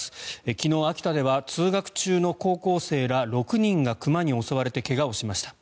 昨日、秋田では通学中の高校生ら６人が熊に襲われて怪我をしました。